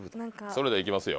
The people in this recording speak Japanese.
それではいきますよ